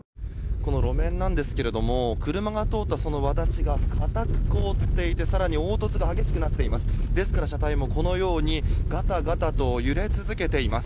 この路面ですが車が通ったわだちが固く凍っていて凹凸が激しくなっています。